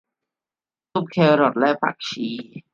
ซุปแครอทและผักชี